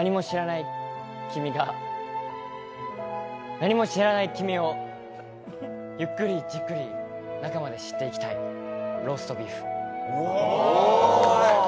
何も知らない君をゆっくりじっくり中まで知っていきたいフゥ。